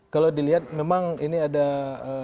kalau dilihat memang ini ada ee